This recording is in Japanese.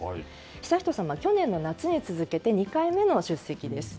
悠仁さまは去年の夏に続けて２回目の出席です。